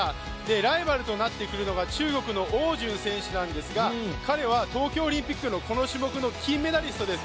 ライバルとなってくるのが中国の汪順選手なんですが、彼は東京オリンピックのこの種目の金メダリストです。